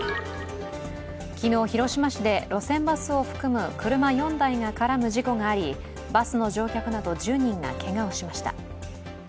昨日、広島市で路線バスを含む車４台が絡む事故がありバスの乗客など１０人がけがをしました。